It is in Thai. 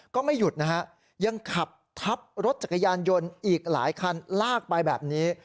ก็ไม่หยุดนะฮะยังขับทับรถจักรยานยนต์อีกหลายคันลากไปแบบนี้